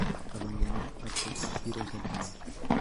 Abandonó a pocos giros del final.